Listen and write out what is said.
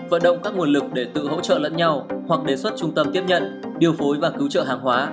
vận động các nguồn lực để tự hỗ trợ lẫn nhau hoặc đề xuất trung tâm tiếp nhận điều phối và cứu trợ hàng hóa